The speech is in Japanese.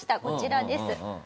こちらです。